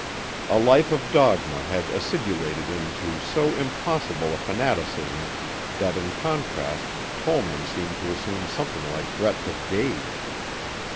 A life of dogma had acidulated into so impossible a fanaticism that in contrast Tollman seemed to assume something like breadth of gauge.